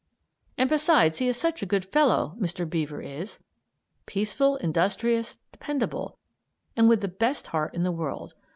] And besides he is such a good fellow, Mr. Beaver is; peaceable, industrious, dependable, and with the best heart in the world!